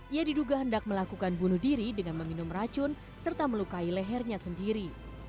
ia diduga hendak melakukan bunuh diri dengan meminum racun serta melukai lehernya sendiri